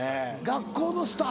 学校のスター。